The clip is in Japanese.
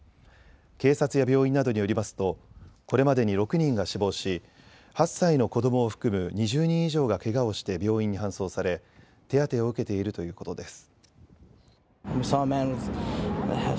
警察や病院などによりますとこれまでに６人が死亡し８歳の子どもを含む２０人以上がけがをして病院に搬送され手当てを受けているということです。